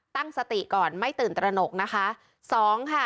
๑ตั้งสติก่อนไม่ตื่นตระหนกนะคะ